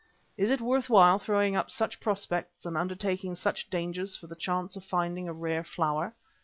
Is it worth while throwing up such prospects and undertaking such dangers for the chance of finding a rare flower?